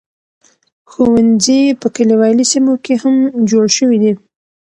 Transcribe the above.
ښوونځي په کليوالي سیمو کې هم جوړ شوي دي.